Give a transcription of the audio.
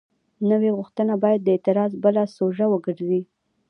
نوې غوښتنه باید د اعتراض بله سوژه وګرځي.